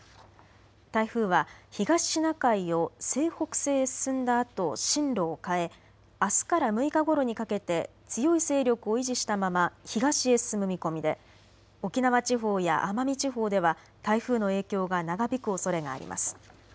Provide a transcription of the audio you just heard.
台風は東シナ海を西北西へ進んだあと、進路を変えあすから６日ごろにかけて強い勢力を維持したまま東へ進む見込みで沖縄地方や奄美地方では台風の影響が長引くおそれがあります。